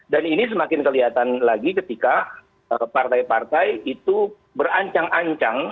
dan ini semakin kelihatan lagi ketika partai partai itu berancang ancang